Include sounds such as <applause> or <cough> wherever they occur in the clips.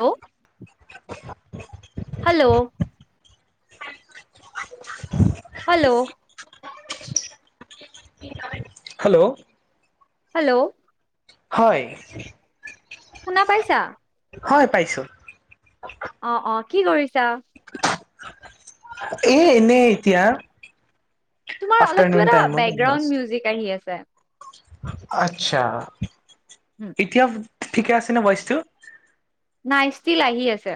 Hello hello! Hello! Hello! Hello! হয়। শুনা পাইছা? হয় পাইছো। অঁ অঁ কি কৰিছা? এ এনে এতিয়া। তোমাৰ অলপ আফটাৰনুন কিবা এটা টাইমত আহি বেকগ্ৰাউণ্ড আছো। মিউজিক আহি আছে। আচ্ছা উম, এতিয়া ঠিকে আছে নে ভইচটো? নাই ষ্টিল আহি আছে।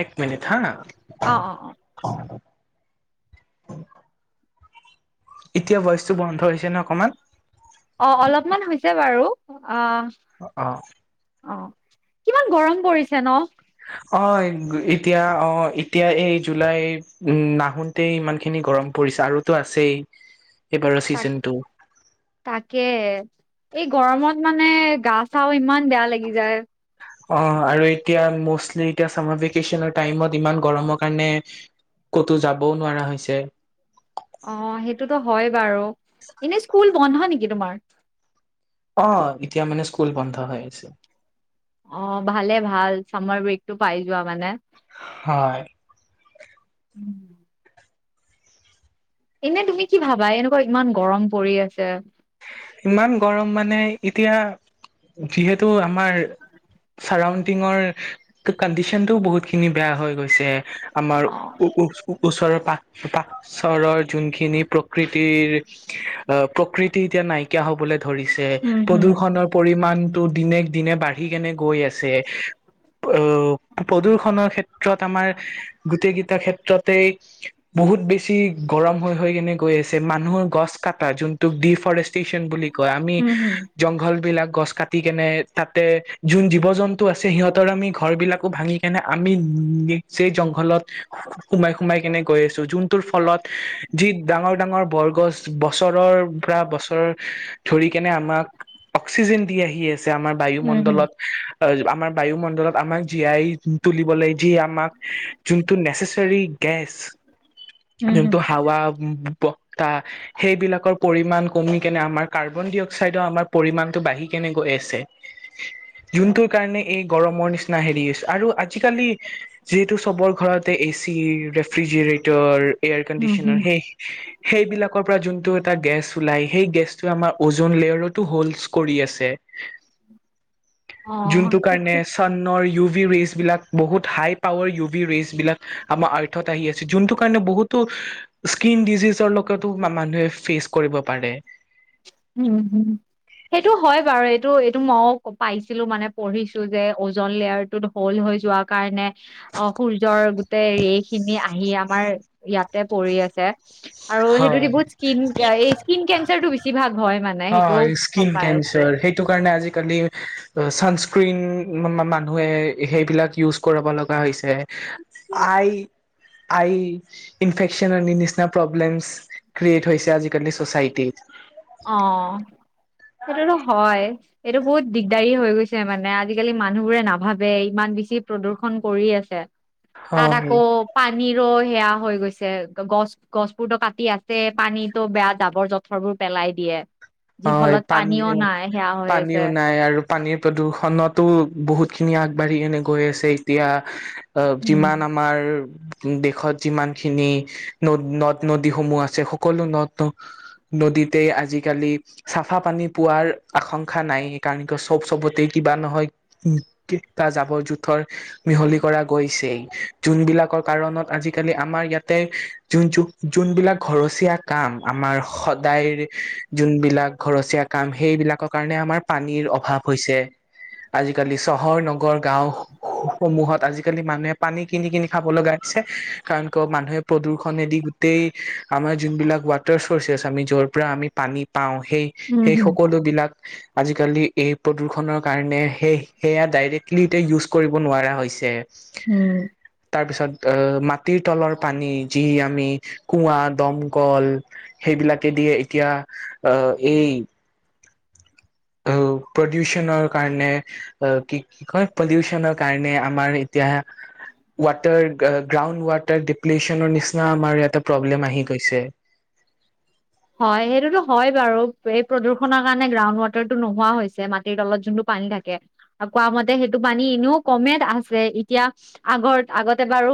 এক মিনিট হাঁ। অঁ অঁ অঁ। এতিয়া ভইচটো বন্ধ হৈছে ন অকমান? অ অলপমান হৈছে বাৰু আ অ অঁ। কিমান গৰম পৰিছে ন? অ এতিয়া অ এতিয়া এই জুলাই উ নাহোতেই ইমান খিনি গৰম প ৰিছে আৰুতো আছেই। এইবাৰৰ তাক চিজনটো তাকে। এই গৰমত মানে গা চাওঁ ইমান বেয়া লাগি যায়। অঁ আৰু এতিয়া মষ্টলি এতিয়া চামাৰ ভেকেচনৰ টাইমত ইমান গৰমৰ কাৰণে ক'তো যাবও নোৱাৰা হৈছে। অ সেইটোতো হয় বাৰু, এনেই স্কুল বন্ধ নেকি তোমাৰ? অঁ এতিয়া মানে স্কুল বন্ধ হৈ আছে। অঁ ভালে ভাল চামাৰ ব্ৰেক টো পাই যোৱা মানে? হয় এনে তুমি কি ভাবা এনেকুৱা ইমান গৰম পৰি আছে ইমান গৰম মানে এতিয়া যিহেতু আমাৰ চাৰাউণ্ডিঙৰ কণ্ডিচনতটো বহুত খিনি বেয়া হৈ গৈছে। আমাৰ অ উ উ ওচৰৰ পাক পাকচৰৰ যোনখিনি প্ৰকৃতিৰ প্ৰকৃতি এতিয়া নাই কিয়া হবলৈ ধৰিছে উম, হুম, প্ৰদূৰ্ষণৰ পৰিমাণ টো দিনে দিনে বাঢ়ি কিনে গৈ আছে। অ প্ৰদূ্ষনৰৰ ক্ষেত্ৰত আমাৰ গোটেই কেইটা ক্ষেত্ৰতেই বহুত বেছি গৰম হৈ হয় কেনে গৈ আছে। মানুহ গছ কাটা জোনটোক দেফৰেষ্টটেচন বুলি কয়। আমি উম, হুম, জংঘল বিলাক গছ কাটি কেনে তাতে যোন জীৱ জন্তু আছে সিহঁতৰ আমি ঘৰ বিলাকো ভাঙি কিনে আমি উম, সেই জংঘলত খব সোমাই-সোমাই কেনে গৈ আছো যোনটোৰ ফলত যি ডাঙৰ- ডাঙৰ বৰগছ। বছৰৰ পৰা বছৰ ধৰি কেনে আমাক অক্সিজেন দি আহি আছে, আমাৰ উম, হুম, বায়ুমণ্ডলত। আমাৰ বায়ুমণ্ডলত আমাক জীয়াই তুলিবলৈ যি আমাক যোনটো নেচচাৰী গেছ উম, হুম, যোনটো হাৱা বসা সেইবিলাকৰ পৰিমাণ কমি কেনে আমাৰ কাৰ্বন ডি অক্সাইডৰ আমাৰ পৰিমাণটো বাঢ়ি কেনে গৈ আছে। যোনটোৰ কাৰণে এই গৰমৰ নিচিনা হেৰি হৈছে আৰু আজিকালি যিহেতু চবৰ ঘৰতে এই চি ৰেফ্ৰিজৰেটৰ এয়াৰ উম, হুম। কণ্ডিচনাৰ সেই সেইবিলাকৰ পৰা যোনটো এটা গেছ ওলাই। সেই গেছটোে আমাৰ ওজন লেয়াৰতো হলচ কৰি আছে। অ', যোনটো কাৰণে সেইটো চানৰ ইউজ ভী ৰেচ বিলাক বহুত হাই পাৱাৰ ই ভী ৰেইচ বিলাক আমাৰ আৰ্থত আহি আছে। যোনটো কাৰণে বহুতো স্কিন ডিজিজৰ লগতো মানুহে ফেচ কৰিব পাৰে। উম, হম। সেইটো হয় বাৰু এইটো এইটো মই পাইছিলো। মানে পঢ়িছো যে ওজন লেয়াৰ ত হ'ল হৈ। যোৱা কাৰণে অ, সূৰ্যৰ গোটেই এই খিনি আহি আমাৰ ইয়াতে পৰি আছে। আৰু সেইটোদি হয়। বহুত স্কিন কে স্কিন কেনচাৰ তো অ, স্কিন আছো। কেঞ্চাৰ সেইটো কাৰণে আজিকালি স্ক্ৰিন মানুহে সেইবিলাক ইউজ কৰা লগা হৈছে। আই আই ইনফেক। নিচি প্ৰব্লেম ক্ৰিয়েট হৈছে আজিকালি চচাইটিত। অ', সেইটোতো হয়। এইটো বহুত দিগদাৰী হৈ গৈছে মানে। আজিকালি মানুহবোৰে নাভাবে ইমান বেছি প্ৰদূ্ষন কৰি আছে। তাত হয় আকৌ পানী ৰয়। সেয়া হৈ গৈছে গছ, গছ বোৰতো কাটি আছে। পানীতটো বেয়া জাবৰ-জথৰবোৰ। পেলাই দিয়ে। যি হয়, ফলত পানী পানীও নাই সেয়া হৈ পানীও আছে নাই আৰু পানীৰ প্ৰদূষণতো বহুত। খিনি আগবাঢ়ি কেনে গৈ আছে এতিয়া। অ, উম যিমান আমাৰ দেশত যিমান খিনি নদ নদ-নদীসমূহ আছে সকলো নদ ন নদীতে আজিকালি চাফা পানী পোৱাৰ আশংকা নাই। সেইকাৰণে চব চবতে কিবা নহয়। তাৰ জাবৰ'জোথৰ মিহলি কৰা গৈছে। যোনবিলাকৰ কাৰণত আজিকালি আমাৰ ইয়াত তে যোন যোনবিলাক ঘৰচীয়া কাম আমাৰ সদায় যোন বিলাক ঘৰচীয়া কাম সেইবিলাকৰ কাৰণে আমাৰ পানীৰ অভাৱ হৈছে। আজিকালি চহৰ, নগৰ, গাও সমূহত আজিকালি মানুহে পানী কিনি কিনি খাব লগাই কাৰণ ক মানুহে প্ৰদূষণেদি গোটেই আমাৰ যোন বিলাক ৱাটাৰ চৰ্চছ আমি জৰ পৰা আমি পানী পাওঁ সেই উম সেই হম সকলো বিলাক আজিকালি এই প্ৰদূৰ্ষণৰ কাৰণে সেই সেয়া ডাইৰেক্টলি এতিয়া ইউজ কৰিব নোৱাৰা হৈছে। উম। তাৰ পিছত অ মাটিৰ তলৰ পানী, যি আমি কুঁৱা, দমকল সেই এই বিলাকে দিয়ে এতিয়া আহ এই <inaudible> প্ৰদুচনৰ কাৰণে কি কি কয় পলিচনৰ কাৰণে আমাৰ এতিয়া ৱাটাৰ। গ্ৰাউণ্ড ৱাটাৰ ডিপ্লিচনৰ নিচিনা আমাৰ ইয়াতে প্ৰব্লেম আহি গৈছে। হয়। সেইটোতো হয় বাৰু এই প্ৰদূষণৰ কাৰণে গ্ৰাউড ৱাটাৰটো নোহোৱা হৈছে মাটিৰ তলত যোনটো পানী থাকে আৰু কোৱা মতে সেইটো পানী এনেও কমে আছে এতিয়া আগত আগতে বাৰু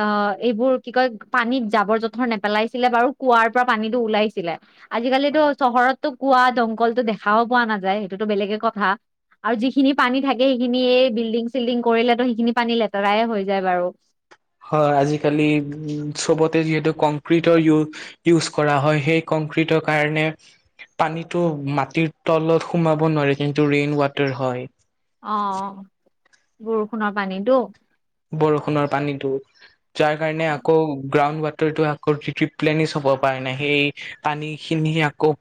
অ, এইবোৰ কি কয় পানীত জাবৰ-জোথৰ নেপেলাইছিলে বাৰু কুঁৱাৰ পৰা পানীতো ওলাইছিল। ছিলে আজিকালিতো চহৰতো কোৱা দমকল দেখাও পোৱা নাযায় সেইটোতো বেলেগে কথা। আৰু যিখিনি পানী থাকে সেইখিনি এই বিল্ডিং-চিল্ডিং কৰিলেতো সেইখিনি পানী লেতেৰায়ে হৈ যায় বাৰু। হয় আজিকালি উ চবতে যিহেতু কংক্ৰিটৰ ইউজ কৰা হয় সেই কং। দূষিত কাৰণে। পানীতটো মাটিৰ তলত সোমাব নোৱাৰে কিন্তু ৰেইন ৱাটাৰ হয় অ বৰষুণৰ পানীতো। বৰষুণৰ পানীতো যাৰ কাৰণে আকৌ গ্ৰাউড ৱাট টো আকৌ টি প্লেনিছ হব পাৰে নাই সেই পানী খিনি আকৌ।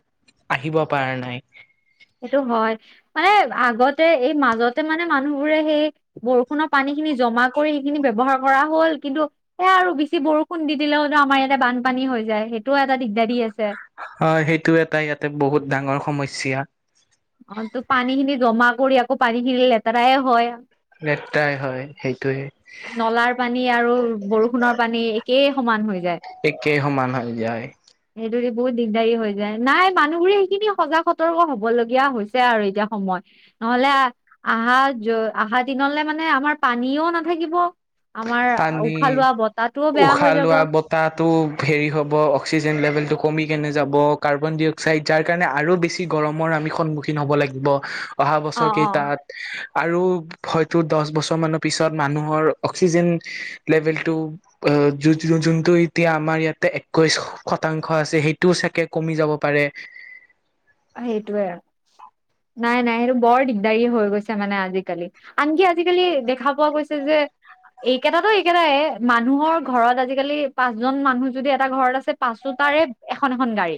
আহিব পাৰা নাই সেইটো হয় মানে আগতে এই মাজতে মানে মানুহবোৰে সেই বৰষুণৰ পানী খিনি জমা কৰি সেইখিনি ব্যয়ৱহাৰ কৰা হ'ল কিন্তু সেয়া আৰু বেছি বৰষুণ দি দিলে হতো আমাৰ ইয়াতে বানপানী। হৈ যায় সেইটোও এটা দিগদাৰিয়ে। হয় সেইটো এটা ইয়াতে বহুত ডাঙৰ সমস্যা। অ তো পানী খিনি জমা কৰি আকৌ পানী খিনি লেতেৰাই হয়। লেতেৰাই হয় সেইটোৱে নলাৰ পানী আৰু বৰষুণৰ পানী একেই। সমান হৈ যায় একেই সমান হৈ যায় যদি বহুত দিগদাৰি হৈ যায় নাই মানুহ বোৰে সেইখিনি সজাগ সতৰ্ক হব লগীয়া হৈছে আৰু এতিয়া সময়। নহলে অহা য অহা দিনলে মানে আমাৰ পানীও নাথাকিব। আমাৰ পানী উখ লোৱা বতাহ। উশাহ লোৱা বতাহটো হেৰি হ'ব অক্সিজেন লেভেল টো কমি। কেনে যাব কাৰ্বন ডি অক্সাইড যাৰ কাৰণে আৰু বেছি গৰমৰ আমি সন্মুখীন হব লাগিব। অহা অ বছৰ অ কেইটাত আৰু হয়তো দহ বছৰ মানৰ পিছত মানুহৰ। অক্সিজেন লেভেলটো যোনটো এতিয়া আমাৰ ইয়াতে একৈশ। শতাংশ আছে সেইটোও চাকে কমি যাব পাৰে। সেইটোৱে। নাই নাই সেইটো বৰ দিগদাৰি হৈ গৈছে মানে আজিকালি আনকি আজিকালি দেখা পোৱা গৈছে যে। এইকেইটাটো এইকেইটাই মানুহৰ ঘৰত আজিকালি পাঁচজন মানুহ যদি এটা ঘৰত আছে পাচোত। তাৰে এখন এখন গাড়ী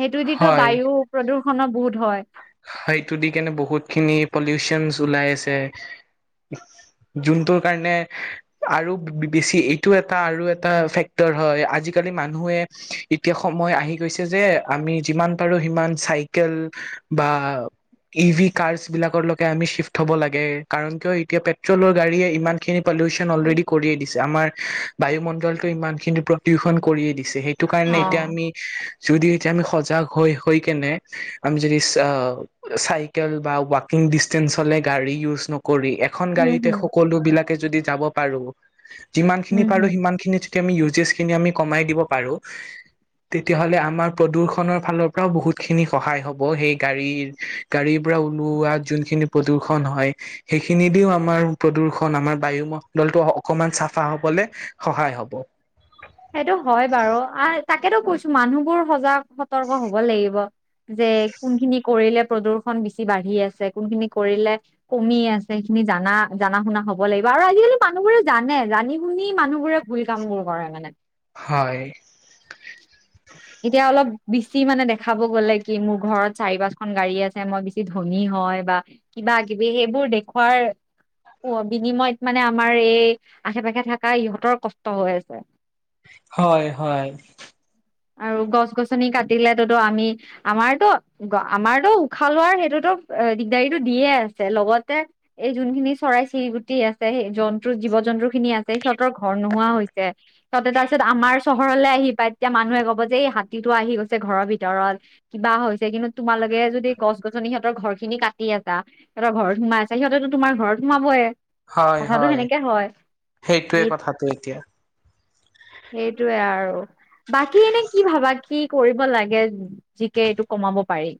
সেইটো যিতো হয় বায়ু প্ৰদূ্ষণো বহুত হয় সেইটো দি কেনে বহুত খিনি পলিউচন ওলাই আছে যোনটোৰ কাৰণে আৰু বেছি এইটো এটা আৰু এটা ফেক্টৰ হয় আজিকালি আজিকালি মানুহে এতিয়া সময় আহি গৈছে যে আমি যিমান পাৰো সিমান চাইকেল বা। ই ভি কাৰছ বিলাককে আমি চিফ্ট হব লাগে কাৰণ কিয় এতিয়া পেট্ৰলৰ গাড়ী ইমান খিনি পলিউশ্যন অলৰেডি কৰিয়েই দিছে আমাৰ বায়ুমণ্ডলটো ইমান খিনি প্ৰদূষণ কৰিয়ে দিছে। সেটো কাৰণে অ এতিয়া আমি যদি এতিয়া আমি সজাগ হৈ হৈ কেনে আমি যদি অ চাইকেল বা ৱাকিং ডিচটেন্স হ'লে গাড়ী ইউচ নকৰি এ। এখন হম গাড়ীতে হম সকলো বিলাকে যদি যাব পাৰো যিমান খিনি উম, পাৰো হুম, সিমান খিনি। আমি ইউজছ খিনি আমি কমাই দিব পাৰো। তেতিয়াহ'লে আমাৰ প্ৰদূৰ্ষনৰৰ ফালৰ পৰাও বহুত খিনি সহায় হব সেই গাড়ীৰ গাড়ীৰ পৰা ওলোৱা যোনখিনি প্ৰদূৰষণ হয় সেইখিনি দিও আমাৰ প্ৰদূষণ দূন আমাৰ বায়ুমণ্ডলটো অকমান চাফা হবলে সহায় হব। <unintelligible> সেইটো হয় বাৰু আৰু তাকেতো কৈছো মানুহবোৰ সজাগ সতৰ্ক হব লাগিব যে কোনখিনি কৰিলে প্ৰদূ্ষন বেছি বাঢ়ি আছে কোনখিনি কৰিলে কমি আছে। খিনি জানা জনা শুনা হ'ব লাগিব আৰু আজিকালি মানুহবোৰে জানে জানি শুনি মানুহ বোৰে ভুল কাম বোৰ কৰে মানে। হয়। এতিয়া অলপ বেছি মানে দেখাব গ'লে কি মোৰ ঘৰত চাৰি পাঁচখন গাড়ী আছে মই বেছি ধনী হয় বা। কিবা কিবি সেইবোৰ দেখুৱাৰ। অ বিনিময়ত মানে আমাৰ এই আশে পাশে থকা ইহঁতৰ কষ্ট হৈ আছে। হয় হয়। আৰু গছ গছনি কাটি। লেততো আমি আমাৰতো আমাৰতো উশাহ লোৱাৰ সেইটোতো দিগদাৰীটো দিয়ে আছে। লগতে এই যোনখিনি চৰাই চিৰি গুটি আছে স জন্তু জীৱ জন্তু খিনি আছে সিহত। ঘৰ নোহোৱা হৈছে ততে তাৰপিছত আমাৰ চহৰলৈ আহি পায় এতিয়া মানুহে যে এই হাতীতটো আহি গৈছে ঘৰৰ ভিতৰত কিবা হৈছে কিন্তু তোমালোকে যদি গছ গছনি সিহঁতৰ ঘৰ খিনি কাটি আছ সিহঁতৰ ঘৰত সোমাই আছে সিহতেতো তোমাৰ ঘৰত সোমাবইে। হয় হয় সেইটোৱে এই কথাটো এতিয়া। সেইটোৱে আৰু বাকী এনেই কি ভাবা কি কৰিব লাগে জিকে এইটো কমাব পাৰি?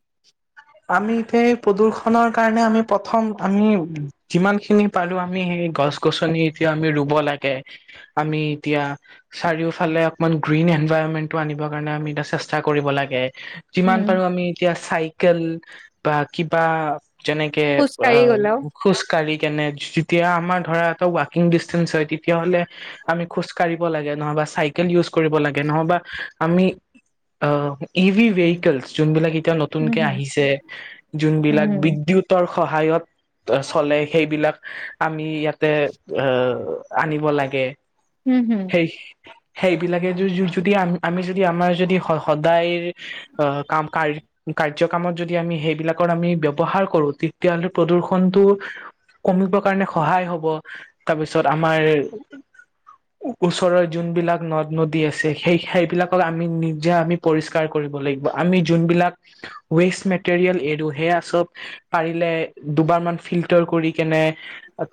আমি এতিয়া এই প্ৰদূ্ষনৰ কাৰণে আমি প্ৰথম আমি যিমান খিনি পাৰো আমি সেই গছ গছনি আমি এতিয়া ৰুব লাগে আমি এতিয়া চাৰিওফালে অকমান ঘুৰিব এনভাইৰনমেন্টটো আনিব কাৰণে আমি এটা চেষ্টা কৰিব লাগে। যিমান উম পাৰো আমি এতিয়া চাইকেল বা কিবা যেনেকে অ খোজকাঢ়ি গলেও খোজকাঢ়ি। কেনে যেতিয়া আমাৰ ধৰা এটা ৱাকিং ডিন্ঞ্চ হয় তেতিয়া হ'লে আমি খোজ কাঢ়িব লাগে নহবা চাইকেল ইউজ কৰিব লাগে, নহবা আমি অ ইভি ৱেকেলছ যোন বিলাগ এ উম নতুনকে হম আহিছে যোনবিলাক উম বিদ্যুতৰ সহায়ত চলে সেইবিলাক আমি ইয়াতে আনিব লাগে হম হম সেই সেইবিলাকে য যদি আমি আমি যদি আমাৰ যদি সদায় অ কাম কাৰ্যকামত যদি আমি সেইবিলাকৰ আমি ব্যৱহাৰ কৰো তেতিয়াহলে প্ৰদূ্ষনটো কমিব কাৰণে সহায় হব। তাৰপিছত আমাৰ ওচৰৰ যোনবিলাক নদ নদী আছে সেই সেইবিলাকক আমি নিজে আমি পৰিষ্কাৰ কৰি লাগিব আমি যোনবিলাক উ <unintelligible> ৱেষ্ট মেটেৰিয়েল এৰ সেয়া চব পাৰিলে দুবাৰ মান ফিল্টাৰ কৰি কেনে।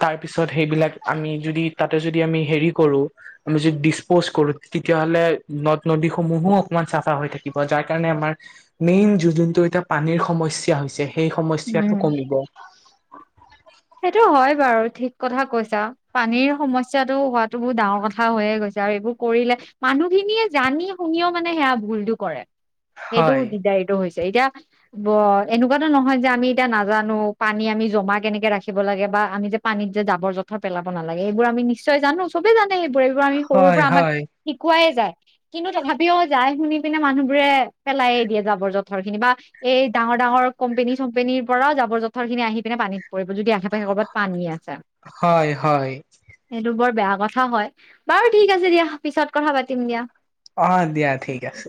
তাৰ পিছত সেইবিলাক আমি যদি তাতে যদি আমি হেৰি কৰো আমি যদি ডিচপ'জ কৰো। তেতিয়াহলে নদ নদীসমূহো অকমান চাফা হৈ থাকিব যাৰ কাৰণ আমাৰ মেনট যোনটো এতিয়া পানীৰ সমস্যা হৈছে সেই সমস্যাটো উম কমিব। সেইটো হয় বাৰু ঠিক কথা কৈছা পানীৰ সমস্যাটো হোৱাতো বহুত ডাঙৰ কথা হৈয়ে গৈছে আৰু এইবোৰ কৰিলে। মানুহ খিনিয়ে জানি শুনিও মানে সেয়া ভুলতো কৰে সেইটো হয় দিৰ্দাৰিত হৈছে। এতিয়া ব এনেকুৱাতো নহয় যে আমি এতিয়া নাজানো পানী আমি জমা কেনেকে ৰাখি থাকিব লাগে বা আমি যে পানীত যে জাবৰ জোথৰ পেলাব নালাগে এইবোৰ আমি নিশ্চয় জানো চবে জানো। সেইবোৰ এইবোৰ আমি সৰুৰ হয় পৰা আমাক হয় শিকোৱাইে যায়। কিন্তু তথাপিও যাই শুনি পিনে মানুহবোৰে পেলাইে দিয়ে জাবৰ জোথৰ খিনি বা এই দাঙৰ ডাঙৰ কম্পেনী চম্পেনীৰ পৰাও জাব জথৰ খিনি আহি পি পানীত পৰিব যদি আসে পাশে ক'ৰবাত পানী আছে। হয় হয়। সেইটো বৰ বেয়া কথা হয় বাৰু ঠিক আছে দিয়া পিছত কথা পাতিম দিয়া। অ দিয়া ঠিক আছে।